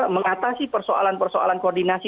mengatasi persoalan persoalan koordinasi